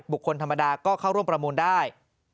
คนธรรมดาก็เข้าร่วมประมูลได้